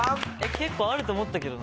結構あると思ったけどな。